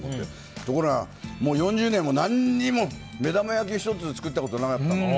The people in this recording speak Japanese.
ところが、４０年も何も目玉焼き１つ作ったことなかったの。